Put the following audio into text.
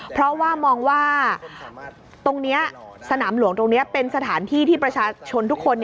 เพราะว่ามองว่าตรงนี้สนามหลวงตรงนี้เป็นสถานที่ที่ประชาชนทุกคน